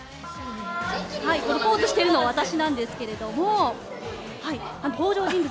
ポーズしているの私なんですけれども登場人物